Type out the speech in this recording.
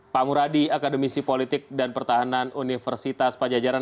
pak muradi akademisi politik dan pertahanan universitas pajajaran